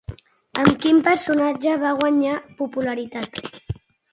Amb quin personatge va guanyar popularitat?